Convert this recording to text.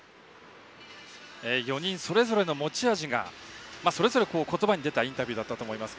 ４人それぞれの持ち味が言葉に出たインタビューだったと思いますが。